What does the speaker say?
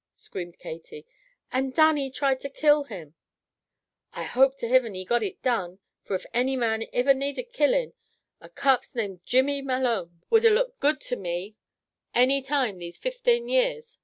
screamed Katy. "And Dannie tried to kill him " "I hope to Hivin he got it done, for if any man iver naded killin'! A carpse named Jimmy Malone would a looked good to me any time these fiftane years.